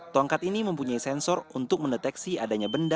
tongkat ini mempunyai sensor untuk mendeteksi adanya benda